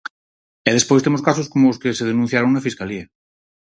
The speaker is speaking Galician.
E despois temos casos como os que se denunciaron na Fiscalía.